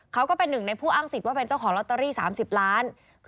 ก็เป็นหนึ่งในผู้อ้างสิทธิ์ว่าเป็นเจ้าของลอตเตอรี่๓๐ล้าน